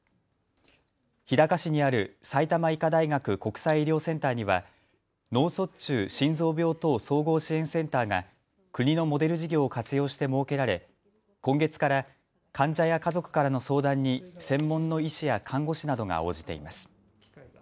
日高市にある埼玉医科大学国際医療センターには脳卒中・心臓病等総合支援センターが国のモデル事業を活用して設けられ今月から患者や家族からの相談に専門の医師や看護師などが応じています。